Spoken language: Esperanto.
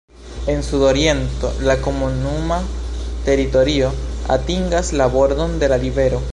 En sudoriento la komunuma teritorio atingas la bordon de la rivero.